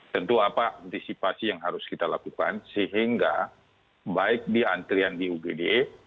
tentu apa antisipasi yang harus kita lakukan sehingga baik di antrian di ugd